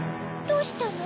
どうしたの？